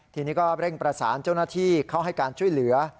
ทีนี้ก็เร่งประสานเจ้าหน้าที่เข้าให้การช่วยเหลือ